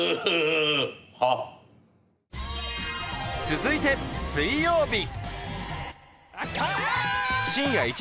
続いて水曜日。